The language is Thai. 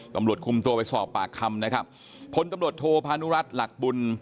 ตำรวจคุมตัวไปสอบปากคำนะครับพลตำรวจโทพานุรัติหลักบุญ